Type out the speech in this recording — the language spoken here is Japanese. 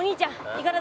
いかだ